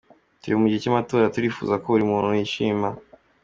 Turi mu gihe cy’amatora, turifuza ko buri muntu yishima.